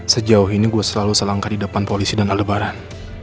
sejauh ini gue selalu selangkah di depan polisi dan lebaran